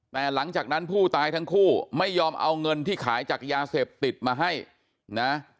แต่หลังจากนั้นผู้ตายทั้งคู่ไม่ยอมเอาเงินที่ขายจากยาเสพติดมาให้นะ